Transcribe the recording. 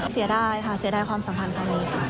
เสียดายค่ะเสียดายความสัมพันธ์ครั้งนี้ค่ะ